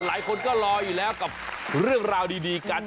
หลายคนก็รออยู่แล้วกับเรื่องราวดีกัน